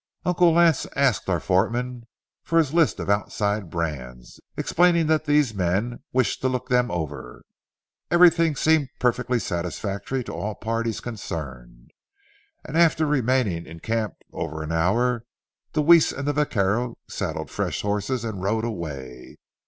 Uncle Lance asked our foreman for his list of outside brands, explaining that these men wished to look them over. Everything seemed perfectly satisfactory to all parties concerned, and after remaining in camp over an hour, Deweese and the vaquero saddled fresh horses and rode away.